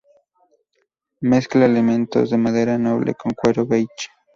Mezcla elementos de madera noble, con cuero "beige".